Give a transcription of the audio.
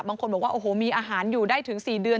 บางคนบอกว่าโอ้โหมีอาหารอยู่ได้ถึง๔เดือน